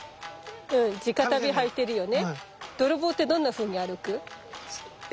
うん地下足袋履いてるよね。